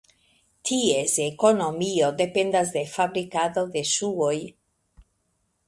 Ties ekonomio dependas de fabrikado de ŝuoj.